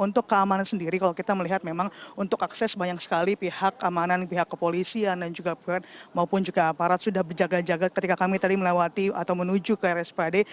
untuk keamanan sendiri kalau kita melihat memang untuk akses banyak sekali pihak keamanan pihak kepolisian dan juga maupun juga aparat sudah berjaga jaga ketika kami tadi melewati atau menuju ke rspad